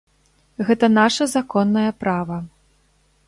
Гэта наша законнае права.